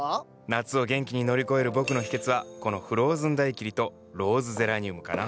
夏を元気に乗り越える僕の秘けつはこのフローズンダイキリとローズゼラニウムかな。